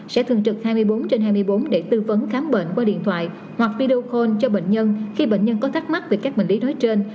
sẽ thường trực hai mươi bốn trên hai mươi bốn để tư vấn khám bệnh qua điện thoại hoặc video call cho bệnh nhân khi bệnh nhân có thắc mắc về các bệnh lý nói trên